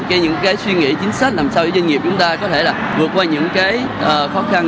cái những suy nghĩ chính xác làm sao cho doanh nghiệp chúng ta có thể vượt qua những khó khăn